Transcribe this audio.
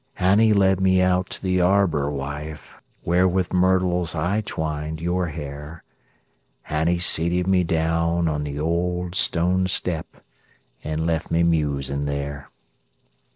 And he led me out to the arbor, wife, Where with myrtles I twined your hair; And he seated me down on the old stone step, And left me musing there.